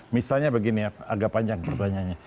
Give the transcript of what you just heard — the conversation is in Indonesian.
misalnya begini ya agak panjang pertanyaannya